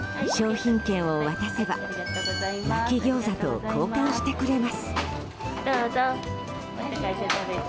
品券を渡せばまき餃子と交換してくれます。